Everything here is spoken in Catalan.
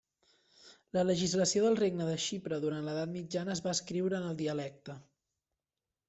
La legislació del Regne de Xipre durant l'edat mitjana es va escriure en el dialecte.